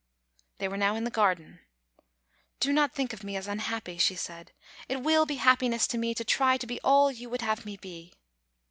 They were now in the garden. " Do not think of me as unhappy," she said; " it will be happiness to me to try to be all vou would have me be."